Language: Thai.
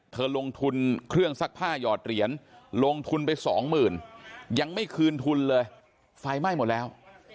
เธอลงทุนเครื่องซักผ้าหยอดเหรียญลงทุนไปสองหมื่นยังไม่คืนทุนเลยไฟไหม้หมดแล้ว